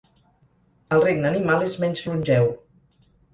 El regne animal és menys longeu.